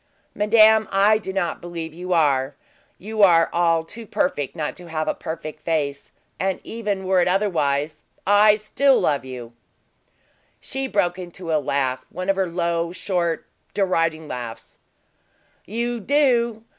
"Madame, I do not believe you are; you are all too perfect not to have a perfect face; and even were it otherwise, I still love you!" She broke into a laugh one of her low, short, deriding laughs. "You do!